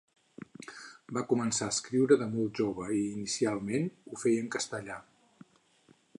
Va començar a escriure de molt jove i inicialment ho feia en castellà.